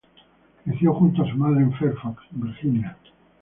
Creció junto a su madre en Fairfax, Virginia.